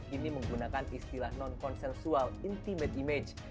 kini menggunakan istilah non konsensual intimate image